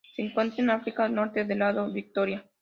Se encuentran en África: norte del lago Victoria.